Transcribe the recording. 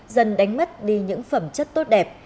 dần đánh mất đi những phẩm chất tốt đẹp